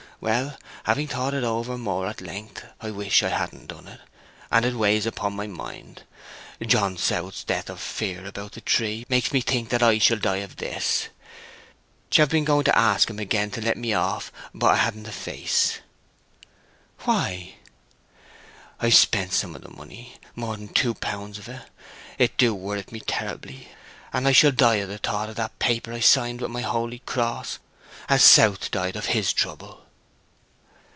Well, having thought it over more at length, I wish I hadn't done it; and it weighs upon my mind. John South's death of fear about the tree makes me think that I shall die of this....'Ch have been going to ask him again to let me off, but I hadn't the face." "Why?" "I've spent some of the money—more'n two pounds o't. It do wherrit me terribly; and I shall die o' the thought of that paper I signed with my holy cross, as South died of his trouble."